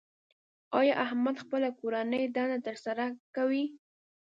ایا احمد خپله کورنۍ دنده تر سره کوي؟